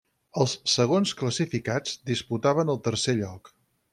Els segons classificats disputaven el tercer lloc.